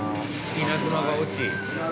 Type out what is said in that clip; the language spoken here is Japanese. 稲妻が落ち。